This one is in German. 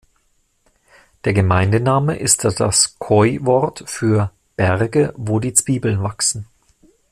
Der Gemeindename ist das Khoi-Wort für „Berge, wo die Zwiebeln wachsen“.